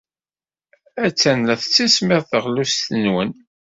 Attan la tettismiḍ teɣlust-nwent.